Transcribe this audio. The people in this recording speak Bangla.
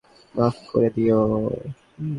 মাফ করে দিও।